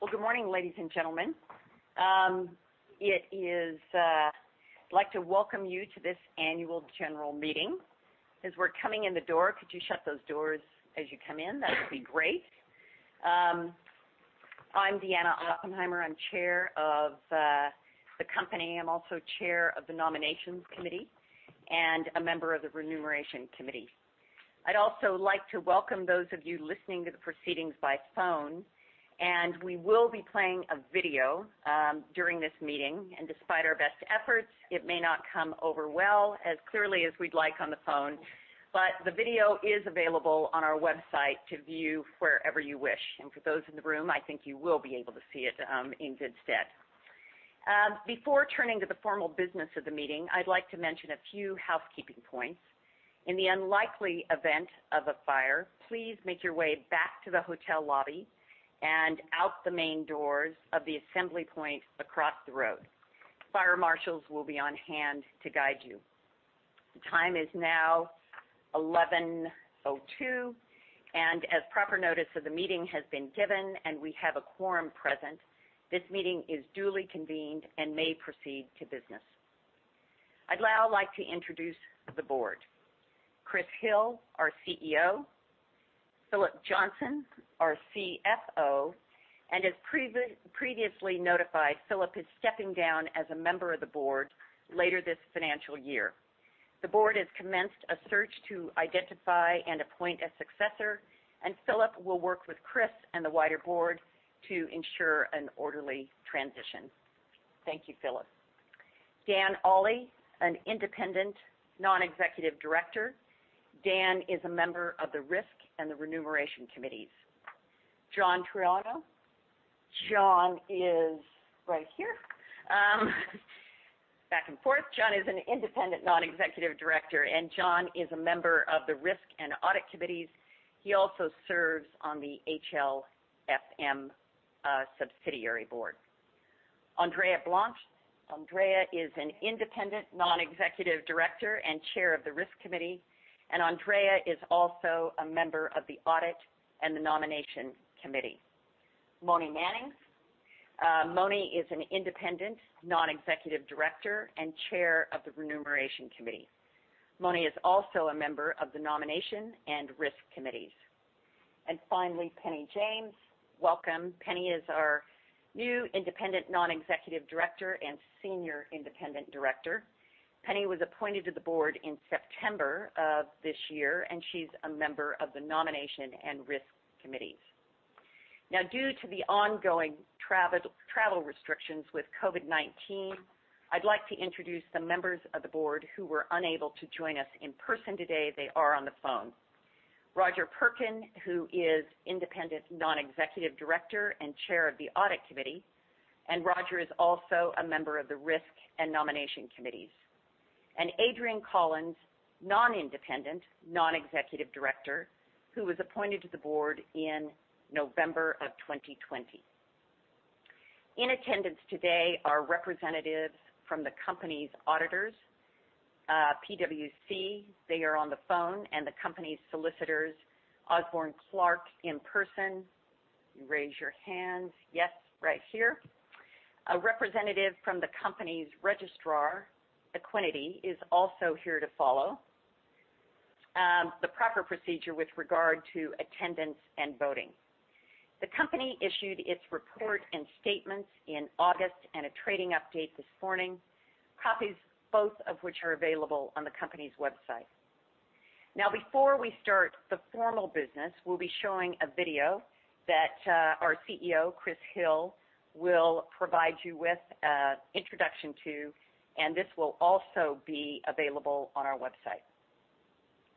Well, good morning, ladies and gentlemen. I'd like to welcome you to this annual general meeting. As we're coming in the door, could you shut those doors as you come in? That would be great. I'm Deanna Oppenheimer, I'm chair of the company. I'm also chair of the Nominations Committee and a member of the Remuneration Committee. I'd also like to welcome those of you listening to the proceedings by phone. We will be playing a video during this meeting, and despite our best efforts, it may not come over well as clearly as we'd like on the phone. The video is available on our website to view wherever you wish. For those in the room, I think you will be able to see it in good stead. Before turning to the formal business of the meeting, I'd like to mention a few housekeeping points. In the unlikely event of a fire, please make your way back to the hotel lobby and out the main doors of the assembly point across the road. Fire marshals will be on hand to guide you. The time is now 11:02. As proper notice of the meeting has been given and we have a quorum present, this meeting is duly convened and may proceed to business. I'd now like to introduce the board. Chris Hill, our CEO. Philip Johnson, our CFO, as previously notified, Philip is stepping down as a member of the board later this financial year. The board has commenced a search to identify and appoint a successor, Philip will work with Chris and the wider board to ensure an orderly transition. Thank you, Philip. Dan Olley, an independent non-executive director. Dan is a member of the risk and the remuneration committees. John Troiano. John is right here. Back and forth. John is an Independent Non-Executive Director, and John is a member of the Risk and Audit Committees. He also serves on the HLFM subsidiary board. Andrea Blance. Andrea is an Independent Non-Executive Director and Chair of the Risk Committee, and Andrea is also a member of the Audit and the Nomination Committee. Moni Mannings. Moni is an Independent Non-Executive Director and Chair of the Remuneration Committee. Moni is also a member of the Nomination and Risk Committees. Finally, Penny James. Welcome. Penny is our new Independent Non-Executive Director and Senior Independent Director. Penny was appointed to the board in September of this year, and she's a member of the Nomination and Risk Committees. Now, due to the ongoing travel restrictions with COVID-19, I'd like to introduce the members of the board who were unable to join us in person today. They are on the phone. Roger Perkin, who is Independent Non-Executive Director and Chair of the Audit Committee, and Roger is also a member of the Risk and Nomination Committees. Adrian Collins, Non-Independent Non-Executive Director, who was appointed to the board in November of 2020. In attendance today are representatives from the company's auditors, PwC, they are on the phone, and the company's solicitors, Osborne Clarke, in person. Raise your hands. Yes, right here. A representative from the company's registrar, Equiniti, is also here to follow the proper procedure with regard to attendance and voting. The company issued its report and statements in August and a trading update this morning. Copies, both of which are available on the company's website. Before we start the formal business, we'll be showing a video that our CEO, Chris Hill, will provide you with an introduction to, and this will also be available on our website.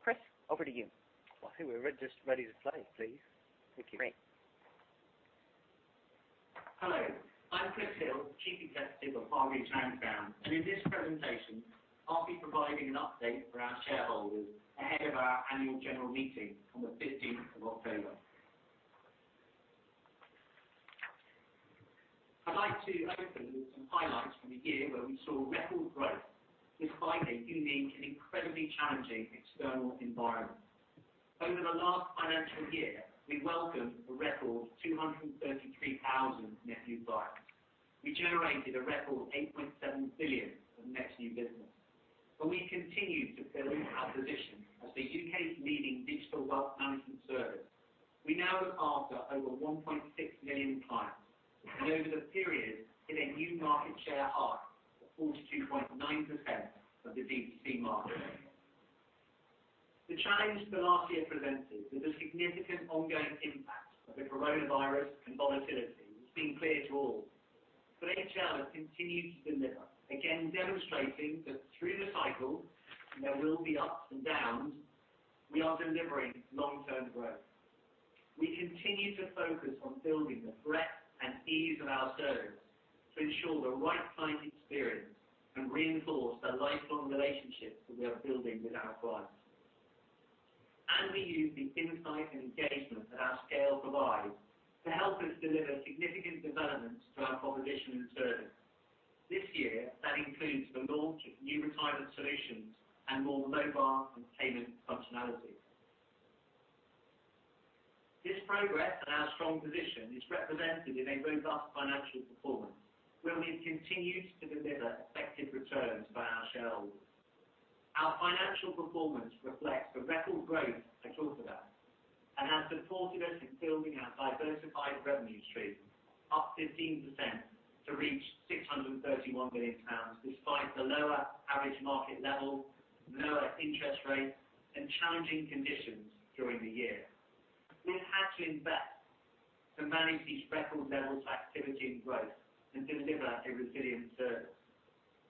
Chris, over to you. Well, I think we're just ready to play, please. Thank you. Great. Hello, I'm Chris Hill, Chief Executive of Hargreaves Lansdown. In this presentation, I'll be providing an update for our shareholders ahead of our annual general meeting on the 15th of October. I'd like to open with some highlights from a year where we saw record growth despite a unique and incredibly challenging external environment. Over the last financial year, we welcomed a record 233,000 net new clients. We generated a record 8.7 billion of net new business. We continued to build our position as the U.K.'s leading digital wealth management service. We now look after over 1.6 million clients, and over the period, hit a new market share high of 42.9% of the D2C market. The challenge the last year presented with a significant ongoing impact of the coronavirus and volatility has been clear to all. HL has continued to deliver, again demonstrating that through the cycle, there will be ups and downs. We are delivering long-term growth. We continue to focus on building the breadth and ease of our service to ensure the right client experience and reinforce the lifelong relationships that we are building with our clients. We use the insight and engagement that our scale provides to help us deliver significant to our proposition and service. This year, that includes the launch of new retirement solutions and more mobile and payment functionality. This progress and our strong position is represented in a robust financial performance where we've continued to deliver effective returns for our shareholders. Our financial performance reflects the record growth I talked about and has supported us in building our diversified revenue stream up 15% to reach 631 million pounds, despite the lower average market level, lower interest rates, and challenging conditions during the year. We've had to invest to manage these record levels of activity and growth and deliver a resilient service.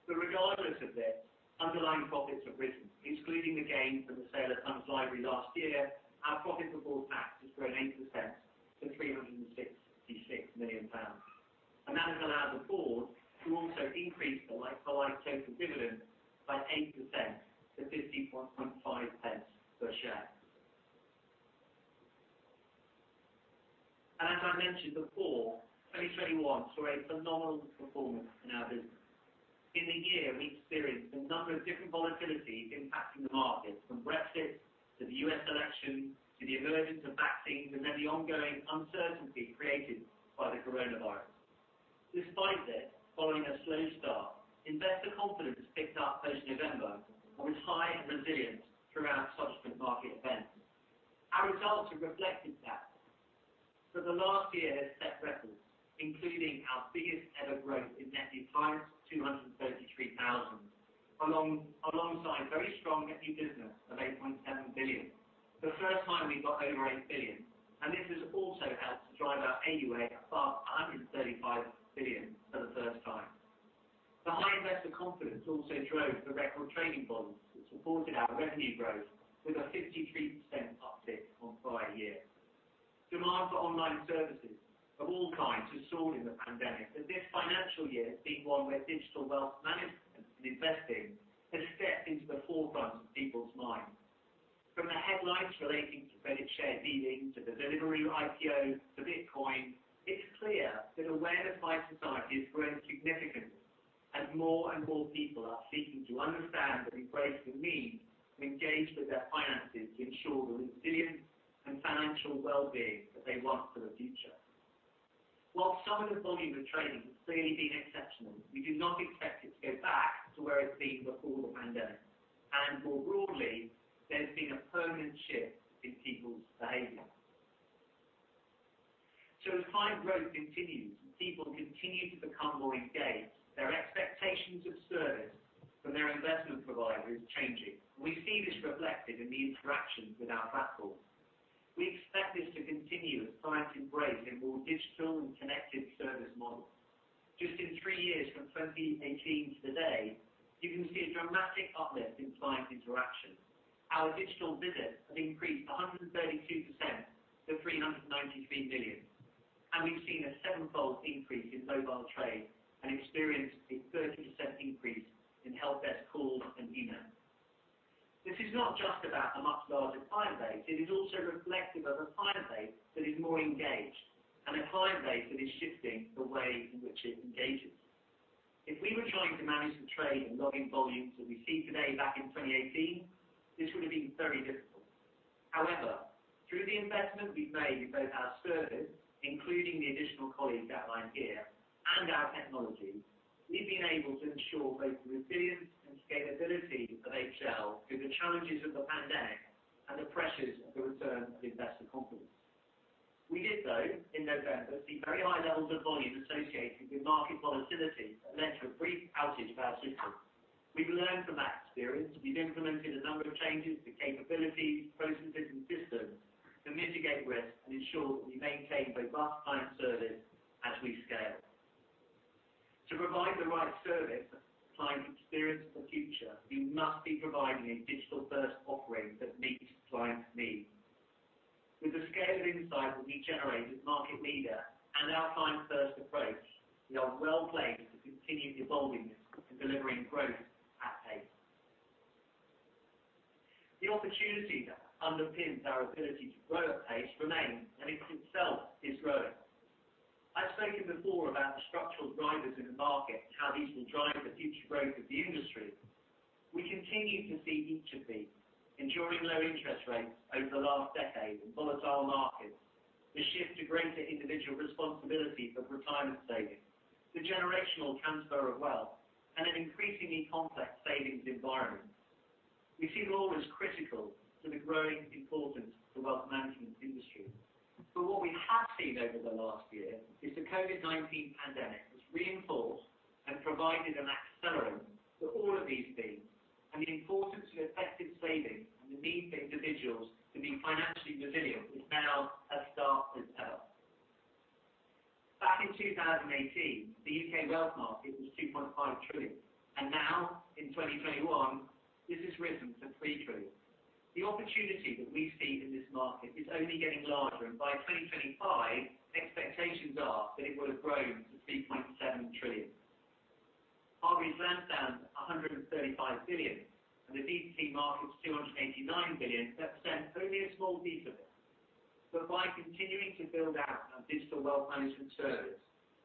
Regardless of this, underlying profits have risen. Excluding the gain from the sale of FundsLibrary last year, our profit before tax has grown 8% to 366 million pounds. That has allowed the board to also increase the like-for-like total dividend by 8% to GBP 0.515 per share. As I mentioned before, 2021 saw a phenomenal performance in our business. In the year, we experienced a number of different volatilities impacting the market, from Brexit to the U.S. election, to the emergence of vaccines, and then the ongoing uncertainty created by the coronavirus. Despite this, following a slow start, investor confidence picked up post-November and was high and resilient throughout subsequent market events. Our results have reflected that. The last year has set records, including our biggest ever growth in net new clients, 233,000, alongside very strong net new business of 8.7 billion. The first time we got over 8 billion. This has also helped to drive our AUA above 135 billion for the first time. The high investor confidence also drove the record trading volumes that supported our revenue growth with a 53% uptick on prior year. Demand for online services of all kinds has soared in the pandemic, with this financial year being one where digital wealth management and investing has stepped into the forefront of people's minds. From the headlines relating to credit share dealing to the Deliveroo IPO to Bitcoin, it's clear that awareness by society has grown significantly and more and more people are seeking to understand and embrace the means to engage with their finances to ensure the resilience and financial wellbeing that they want for the future. While some of the volume of trading has clearly been exceptional, we do not expect it to go back to where it's been before the pandemic, and more broadly, there's been a permanent shift in people's behavior. As client growth continues and people continue to become more engaged, their expectations of service from their investment provider is changing. We see this reflected in the interactions with our platforms. We expect this to continue as clients embrace a more digital and connected service model. Just in three years, from 2018 to today, you can see a dramatic uplift in client interaction. Our digital visits have increased 132% to 393 million, and we've seen a sevenfold increase in mobile trade and experienced a 30% increase in help desk calls and email. This is not just about a much larger client base. It is also reflective of a client base that is more engaged and a client base that is shifting the way in which it engages. If we were trying to manage the trade and login volumes that we see today back in 2018, this would have been very difficult. However, through the investment we've made in both our service, including the additional colleagues outlined here, and our technology, we've been able to ensure both the resilience and scalability of HL through the challenges of the pandemic and the pressures of the return of investor confidence. We did, though, in November, see very high levels of volume associated with market volatility that led to a brief outage of our system. We've learned from that experience. We've implemented a number of changes to capabilities, processes, and systems to mitigate risk and ensure that we maintain robust client service as we scale. To provide the right service and client experience for the future, we must be providing a digital-first offering that meets clients' needs. With the scale of insight that we generate as market leader and our client-first approach, we are well-placed to continue evolving this and delivering growth at pace. The opportunity that underpins our ability to grow at pace remains, and it itself is growing. I've spoken before about the structural drivers in the market and how these will drive the future growth of the industry. We continue to see each of these ensuring low interest rates over the last decade and volatile markets, the shift to greater individual responsibility for retirement savings, the generational transfer of wealth, and an increasingly complex savings environment. We see all as critical to the growing importance of the wealth management industry. What we have seen over the last year is the COVID-19 pandemic has reinforced and provided an accelerant to all of these themes and the importance of effective savings and the need for individuals to be financially resilient is now as stark as health. Back in 2018, the U.K. wealth market was 2.5 trillion. Now in 2021, this has risen to 3 trillion. The opportunity that we see in this market is only getting larger. By 2025, expectations are that it will have grown to 3.7 trillion. 35 billion and the D2C market's 289 billion, that represents only a small piece of it. By continuing to build out our digital wealth management service,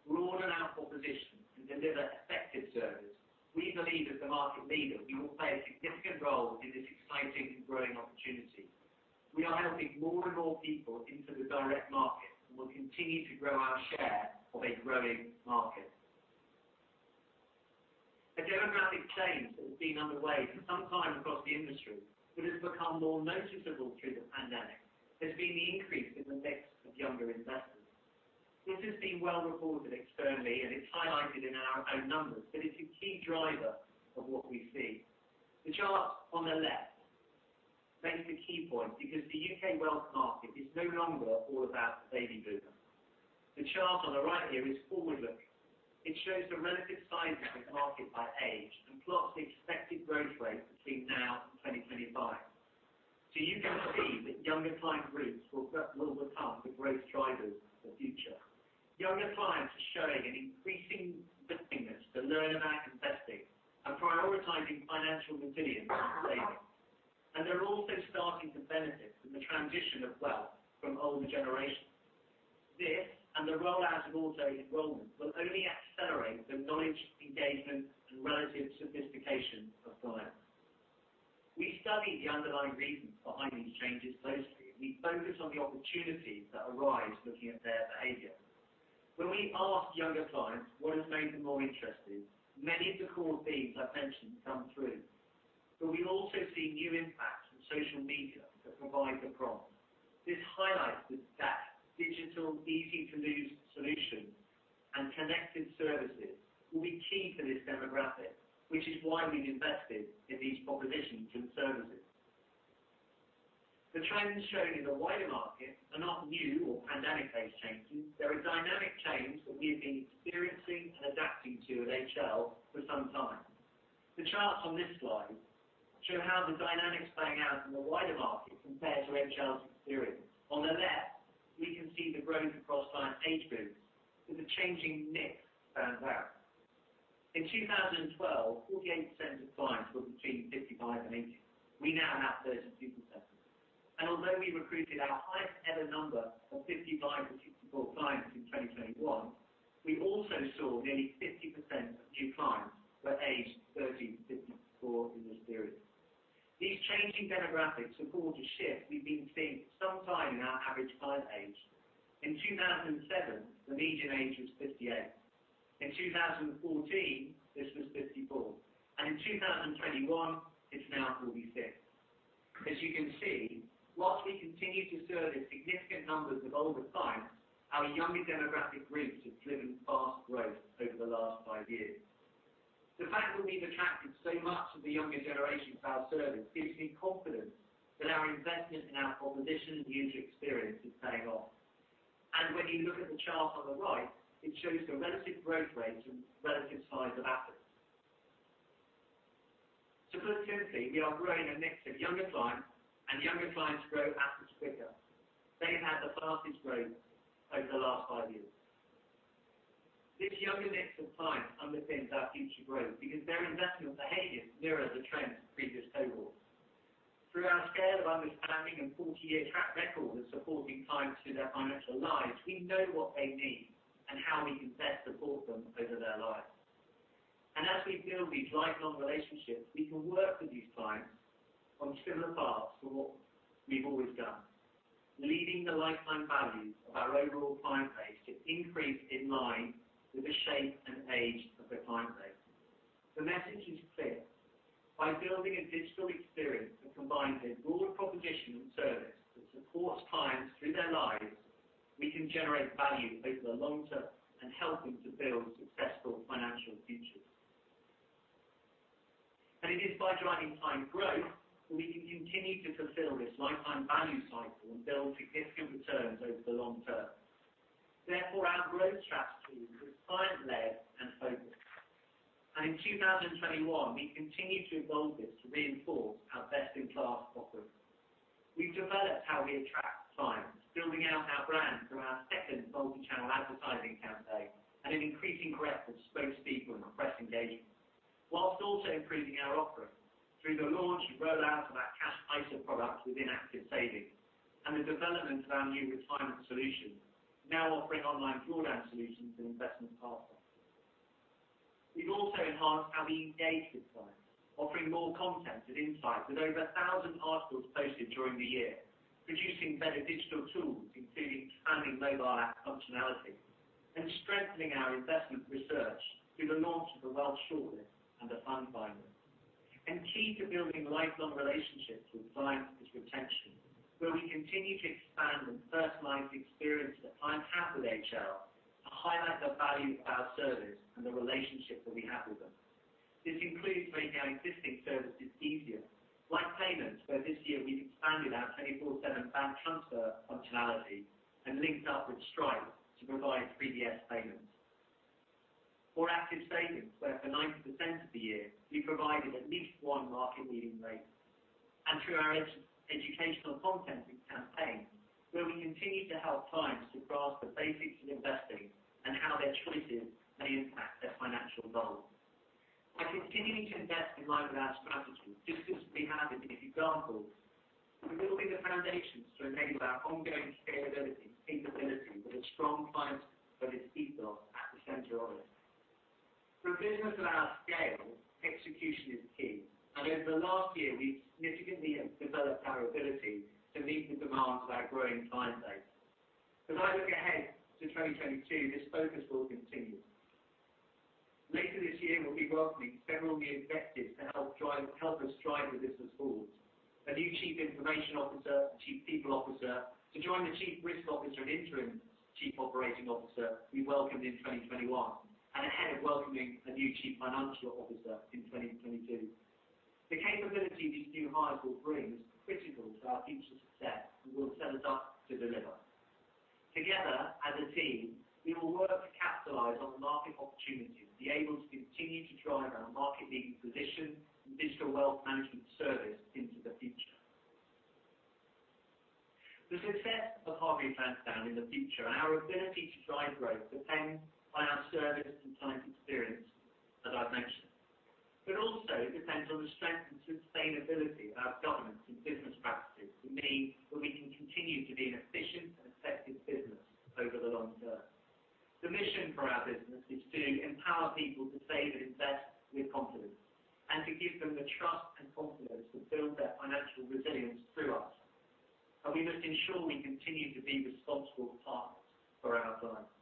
broaden our proposition and deliver effective service, we believe as the market leader, we will play a significant role in this exciting and growing opportunity. We are helping more and more people into the direct market and will continue to grow our share of a growing market. A demographic change that has been underway for some time across the industry, but has become more noticeable through the pandemic, has been the increase in the mix of younger investors. This has been well reported externally, and it's highlighted in our own numbers that it's a key driver of what we see. The chart on the left makes a key point because the U.K. wealth market is no longer all about the baby boomer. The chart on the right here is forward-looking. It shows the relative size of the market by age and plots the expected growth rate between now and 2025. You can see that younger client groups will become the growth drivers of the future. Younger clients are showing an increasing willingness to learn about investing and prioritizing financial resilience and savings. They're also starting to benefit from the transition of wealth from older generations. This and the rollout of auto-enrolment will only accelerate the knowledge, engagement, and relative sophistication of clients. We study the underlying reasons behind these changes closely, and we focus on the opportunities that arise looking at their behavior. When we ask younger clients what has made them more interested, many of the core themes I've mentioned come through. We also see new impacts from social media that provide the prompt. This highlights that digital, easy-to-use solutions and connected services will be key for this demographic, which is why we've invested in these propositions and services. The trends shown in the wider market are not new or pandemic-based changes. They are dynamic changes that we have been experiencing and adapting to at HL for some time. The charts on this slide show how the dynamics playing out in the wider market compare to HL's experience. On the left, we can see the growth across client age groups with a changing mix balanced out. In 2012, 48% of clients were between 55 and 80. We now have 32%. Although we recruited our highest ever number of 55-64 clients in 2021, we also saw nearly 50% of new clients were aged 30-64 in this period. These changing demographics have caused a shift we've been seeing for some time in our average client age. In 2007, the median age was 58. In 2014, this was 54. In 2021, it's now 46. As you can see, whilst we continue to service significant numbers of older clients, our younger demographic groups have driven fast growth over the last five years. The fact that we've attracted so much of the younger generation to our service gives me confidence that our investment in our proposition and user experience is paying off. When you look at the chart on the right, it shows the relative growth rates and relative size of assets. Collectively, we are growing a mix of younger clients, and younger clients grow assets quicker. They've had the fastest growth over the last five years. This younger mix of clients underpins our future growth because their investment behaviors mirror the trends of previous cohorts. Through our scale of understanding and 40-year track record of supporting clients through their financial lives, we know what they need and how we can best support them over their life. As we build these lifelong relationships, we can work with these clients on similar paths to what we've always done, leading the lifetime value of our overall client base to increase in line with the shape and age of the client base. The message is clear. By building a digital experience that combines a broader proposition and service that supports clients through their lives, we can generate value over the long term and help them to build successful financial futures. It is by driving client growth that we can continue to fulfill this lifetime value cycle and build significant returns over the long term. Our growth strategy is client-led and focused. In 2021, we continued to evolve this to reinforce our best-in-class offering. We've developed how we attract clients, building out our brand through our second multi-channel advertising campaign and an increasing breadth of spokespeople and press engagements. Also improving our offering through the launch and rollout of our Cash ISA product within Active Savings and the development of our new retirement solution, now offering online drawdown solutions and investment platforms. We've also enhanced how we engage with clients, offering more content and insight with over 1,000 articles posted during the year, producing better digital tools, including expanding mobile app functionality and strengthening our investment research through the launch of a Wealth Shortlist and a Fund Finder. Key to building lifelong relationships with clients is retention, where we continue to expand and personalize the experience that clients have with HL to highlight the value of our service and the relationship that we have with them. This includes making our existing services easier, like payments, where this year we've expanded our 24/7 bank transfer functionality and linked up with Stripe to provide 3DS payments. For Active Savings, where for 90% of the year, we provided at least one market-leading rate. Through our educational content campaign, where we continue to help clients to grasp the basics of investing and how their choices may impact their financial goals. By continuing to invest in line with our strategy, just as we have in these examples, we're building the foundations to enable our ongoing scalability capability with a strong client-focused ethos at the center of it. For a business of our scale, execution is key, and over the last year, we significantly have developed our ability to meet the demands of our growing client base. As I look ahead to 2022, this focus will continue. Later this year, we'll be welcoming several new executives to help us drive the business forward. A new Chief Information Officer, Chief People Officer, to join the Chief Risk Officer and interim Chief Operating Officer we welcomed in 2021, and ahead of welcoming a new Chief Financial Officer in 2022. The capability these new hires will bring is critical to our future success and will set us up to deliver. Together as a team, we will work to capitalize on market opportunities to be able to continue to drive our market-leading position in digital wealth management service into the future. The success of Hargreaves Lansdown in the future and our ability to drive growth depend on our service and client experience, as I've mentioned. Also, it depends on the strength and sustainability of our governance and business practices to mean that we can continue to be an efficient and effective business over the long term. The mission for our business is to empower people to save and invest with confidence, and to give them the trust and confidence to build their financial resilience through us, and we must ensure we continue to be responsible partners for our clients.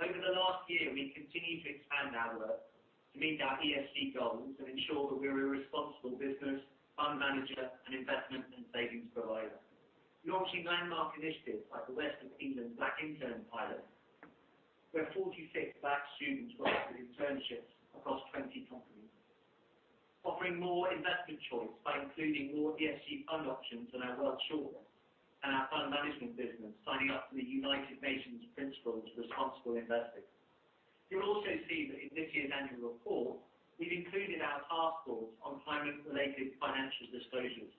Over the last year, we've continued to expand our work to meet our ESG goals and ensure that we're a responsible business, fund manager, and investment and savings provider. Launching landmark initiatives like the West of England Black Intern Pilot, where 46 Black students got active internships across 20 companies. Offering more investment choice by including more ESG fund options on our wealth platform, and our fund management business signing up for the United Nations Principles for Responsible Investment. You'll also see that in this year's annual report, we've included our Task Force on Climate-related Financial Disclosures,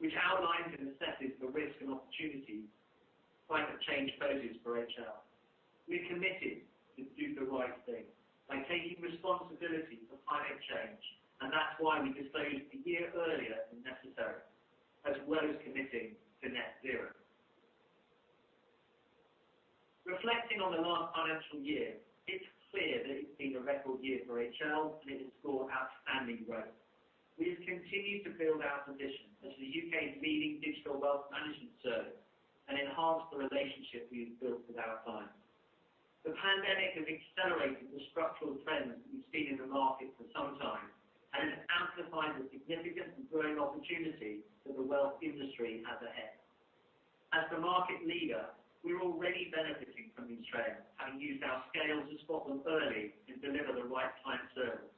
which outlines and assesses the risk and opportunities climate change poses for HL. We're committed to do the right thing by taking responsibility for climate change. That's why we disclosed a year earlier than necessary, as well as committing to net zero. Reflecting on the last financial year, it's clear that it's been a record year for HL. It has saw outstanding growth. We have continued to build our position as the U.K.'s leading digital wealth management service and enhanced the relationship we've built with our clients. The pandemic has accelerated the structural trends that we've seen in the market for some time and has amplified the significant and growing opportunity that the wealth industry has ahead. As the market leader, we're already benefiting from these trends, having used our scale to spot them early and deliver the right client service.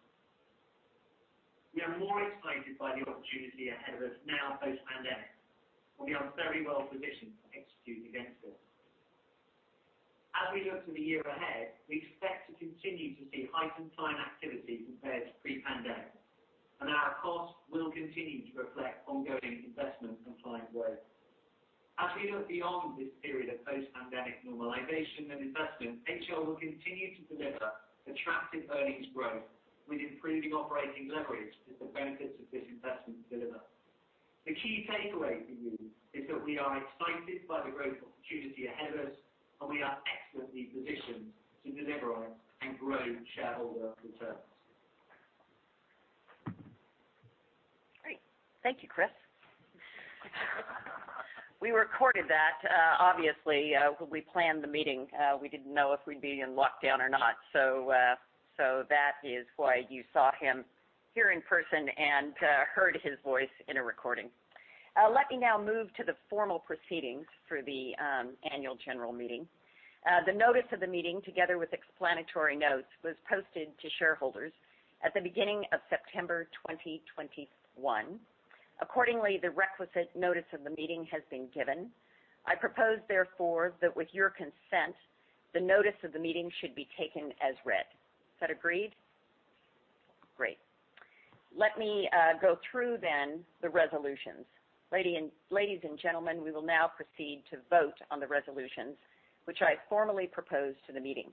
We are more excited by the opportunity ahead of us now post-pandemic, and we are very well positioned to execute against it. As we look to the year ahead, we expect to continue to see heightened client activity compared to pre-pandemic, and our costs will continue to reflect ongoing investment and client growth. As we look beyond this period of post-pandemic normalization and investment, HL will continue to deliver attractive earnings growth with improving operating leverage as the benefits of this investment deliver. The key takeaway for you is that we are excited by the growth opportunity ahead of us, and we are excellently positioned to deliver on and grow shareholder returns. Great. Thank you, Chris. We recorded that. Obviously, when we planned the meeting, we didn't know if we'd be in lockdown or not. That is why you saw him here in person and heard his voice in a recording. Let me now move to the formal proceedings for the annual general meeting. The notice of the meeting, together with explanatory notes, was posted to shareholders at the beginning of September 2021. Accordingly, the requisite notice of the meeting has been given. I propose therefore, that with your consent, the notice of the meeting should be taken as read. Is that agreed? Great. Let me go through then the resolutions. Ladies and gentlemen, we will now proceed to vote on the resolutions, which I formally propose to the meeting.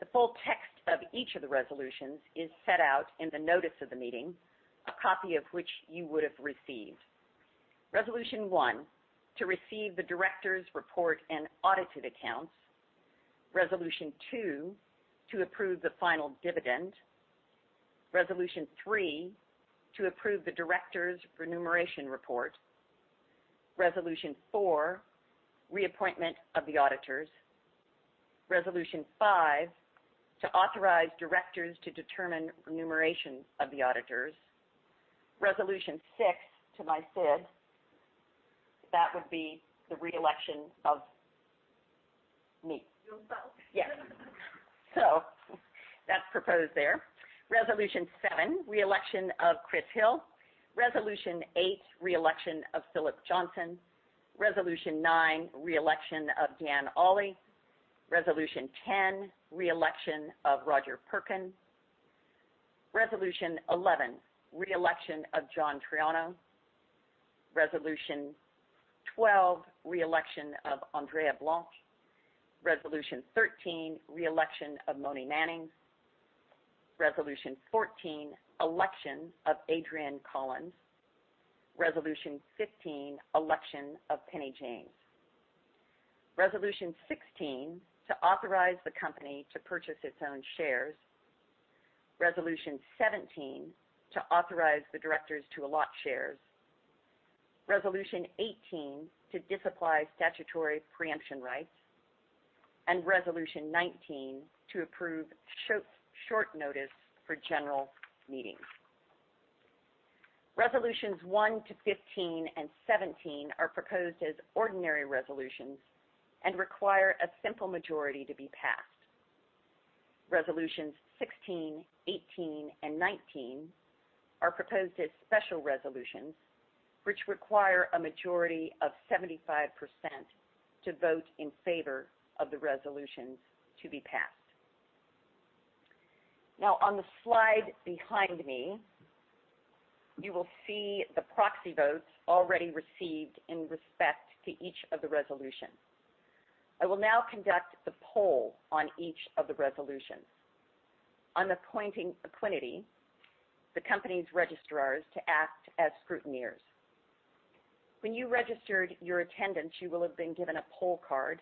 The full text of each of the resolutions is set out in the notice of the meeting, a copy of which you would have received. Resolution 1, to receive the directors' report and audited accounts. Resolution 2, to approve the final dividend. Resolution 3, to approve the directors' remuneration report. Resolution 4, reappointment of the auditors. Resolution 5, to authorize directors to determine remuneration of the auditors. Resolution 6, to my sid, that would be the re-election of me. Yourself? Yes. That's proposed there. Resolution 7, re-election of Chris Hill. Resolution 8, re-election of Philip Johnson. Resolution 9, re-election of Dan Olley. Resolution 10, re-election of Roger Perkin. Resolution 11, re-election of John Troiano. Resolution 12, re-election of Andrea Blance. Resolution 13, re-election of Moni Mannings. Resolution 14, election of Adrian Collins. Resolution 15, election of Penny James. Resolution 16, to authorize the company to purchase its own shares. Resolution 17, to authorize the directors to allot shares. Resolution 18, to disapply statutory preemption rights, and Resolution 19, to approve short notice for general meetings. Resolutions 1 to 15 and 17 are proposed as ordinary resolutions and require a simple majority to be passed. Resolutions 16, 18, and 19 are proposed as special resolutions, which require a majority of 75% to vote in favor of the resolutions to be passed. On the slide behind me, you will see the proxy votes already received in respect to each of the resolutions. I will now conduct the poll on each of the resolutions. I'm appointing Equiniti, the company's registrars, to act as scrutineers. When you registered your attendance, you will have been given a poll card,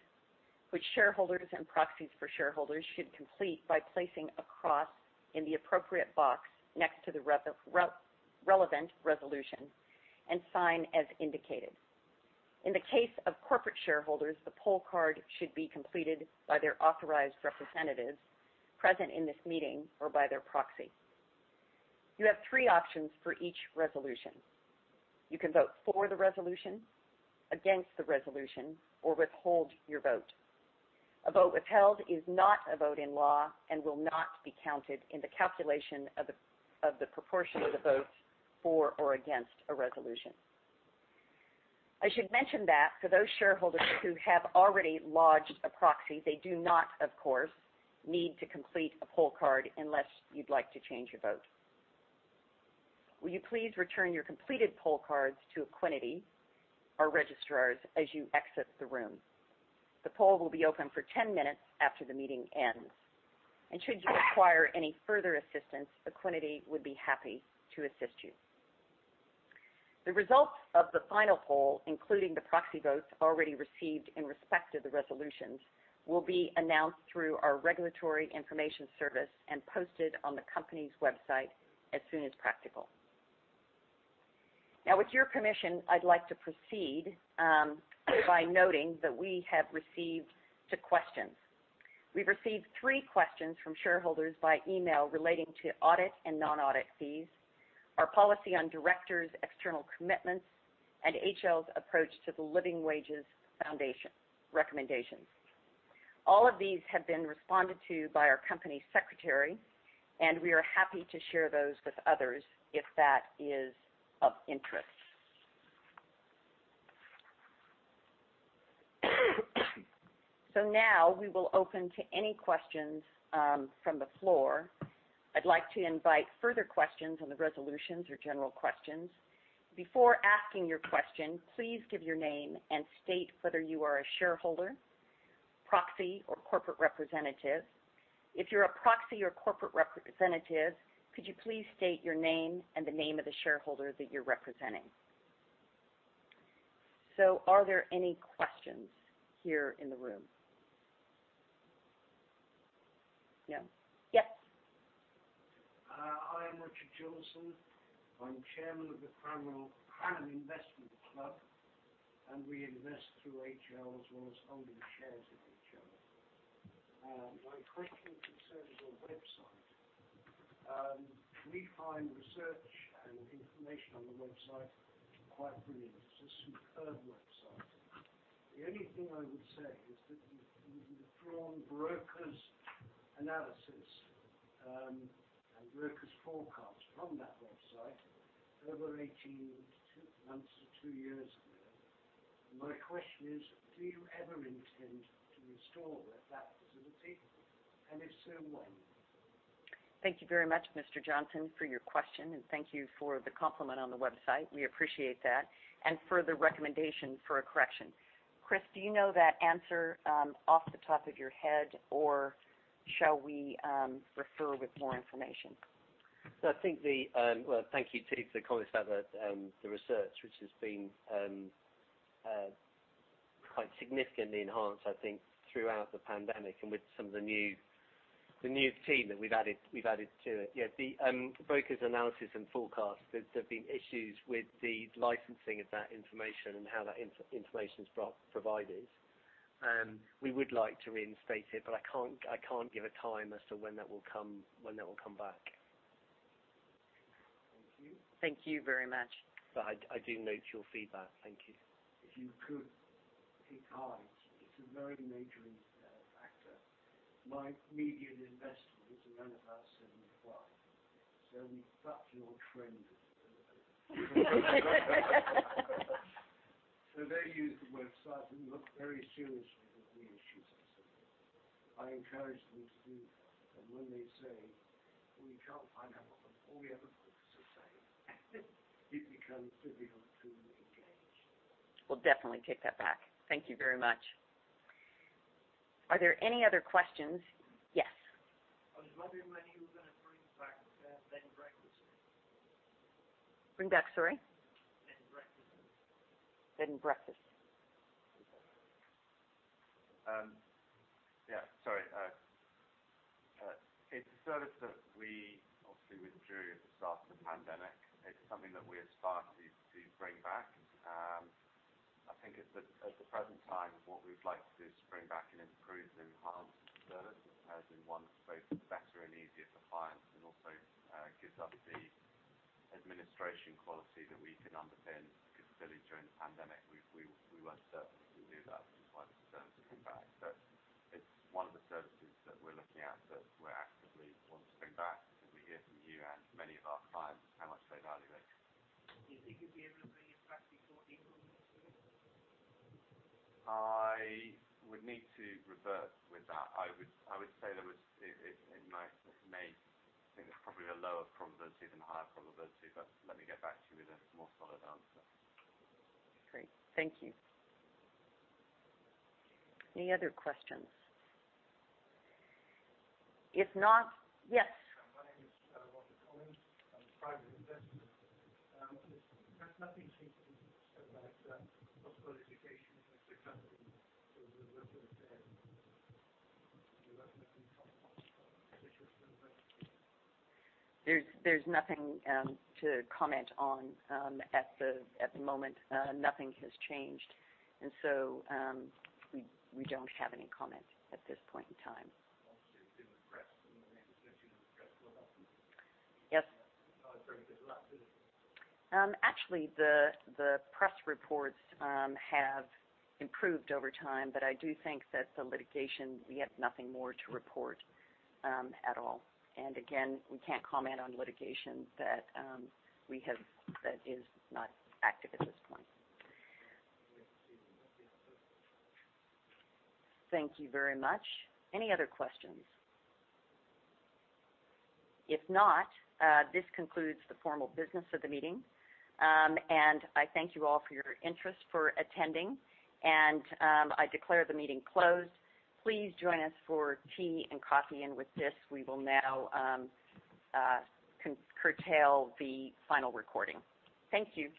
which shareholders and proxies for shareholders should complete by placing a cross in the appropriate box next to the relevant resolution and sign as indicated. In the case of corporate shareholders, the poll card should be completed by their authorized representatives present in this meeting or by their proxy. You have three options for each resolution. You can vote for the resolution, against the resolution, or withhold your vote. A vote withheld is not a vote in law and will not be counted in the calculation of the proportion of the votes for or against a resolution. I should mention that for those shareholders who have already lodged a proxy, they do not, of course, need to complete a poll card unless you'd like to change your vote. Will you please return your completed poll cards to Equiniti, our registrars, as you exit the room. The poll will be open for 10 minutes after the meeting ends. Should you require any further assistance, Equiniti would be happy to assist you. The results of the final poll, including the proxy votes already received in respect of the resolutions, will be announced through our regulatory information service and posted on the company's website as soon as practical. With your permission, I'd like to proceed by noting that we have received two questions. We've received three questions from shareholders by email relating to audit and non-audit fees, our policy on directors' external commitments, and HL's approach to the Living Wage Foundation recommendations. All of these have been responded to by our company secretary, we are happy to share those with others if that is of interest. Now we will open to any questions from the floor. I'd like to invite further questions on the resolutions or general questions. Before asking your question, please give your name and state whether you are a shareholder, proxy, or corporate representative. If you're a proxy or corporate representative, could you please state your name and the name of the shareholder that you're representing? Are there any questions here in the room? Yeah. Yes. I'm Richard Johnson. I'm chairman of the Ham Investment Club, and we invest through HL as well as holding shares in HL. My question concerns your website. We find research and information on the website quite brilliant. It's a superb website. The only thing I would say is that you've withdrawn brokers' analysis and brokers' forecasts from that website over 18 months to two years ago. My question is, do you ever intend to restore that facility, and if so, when? Thank you very much, Mr. Johnson, for your question, and thank you for the compliment on the website. We appreciate that, and for the recommendation for a correction. Chris, do you know that answer off the top of your head, or shall we refer with more information? Well, thank you too for the comments about the research, which has been quite significantly enhanced, I think, throughout the pandemic and with some of the new team that we've added to it. Yeah, the brokers' analysis and forecasts, there've been issues with the licensing of that information and how that information is provided. We would like to reinstate it, but I can't give a time as to when that will come back. Thank you. Thank you very much. I do note your feedback. Thank you. If you could take heart, it's a very major factor. My median investor is a man of about 75. The factual trend is they use the website and look very seriously at the issues. I encourage them to do that. When they say, "We can't find out what all the other folks are saying," it becomes difficult to engage. We'll definitely take that back. Thank you very much. Are there any other questions? Yes. I was wondering when you were going to bring back Bed and Breakfast? Bring back, sorry? Bed and Breakfast. Bed and Breakfast. Yeah. Sorry. It's a service that we obviously withdrew at the start of the pandemic. It's something that we aspire to bring back. I think at the present time, what we'd like to do is bring back an improved and enhanced service, as in one both better and easier for clients, and also gives us the administration quality that we can underpin, because clearly during the pandemic, we weren't certain we could do that, which is why the service came back. It's one of the services that we're looking at, that we actively want to bring back because we hear from you and many of our clients how much they value it. Do you think you'll be able to bring it back before April next year? I would need to revert with that. I would say there's probably a lower probability than a higher probability. Let me get back to you with a more solid answer. Great. Thank you. Any other questions? If not, yes. There's nothing seems to be said about possible litigation against the company with regard to development in Cornwall. There's nothing to comment on at the moment. Nothing has changed, and so we don't have any comment at this point in time. Obviously, it's in the press, and the mention of the press will happen. Yes. I was very good luck with it. Actually, the press reports have improved over time, but I do think that the litigation, we have nothing more to report at all. Again, we can't comment on litigation that is not active at this point. We have to see the. Thank you very much. Any other questions? If not, this concludes the formal business of the meeting. I thank you all for your interest, for attending, and I declare the meeting closed. Please join us for tea and coffee. With this, we will now curtail the final recording. Thank you.